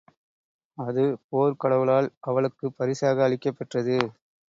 அது போர்க்கடவுளால் அவளுக்குப் பரிசாக அளிக்கப் பெற்றது.